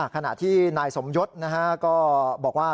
ขณะที่นายสมยศก็บอกว่า